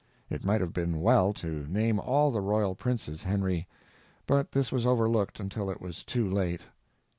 It might have been well to name all the royal princes Henry, but this was overlooked until it was too late.